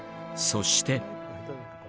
そして。